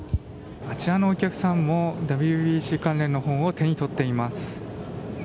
あちらのお客さんもＷＢＣ関連の本を手に取っています。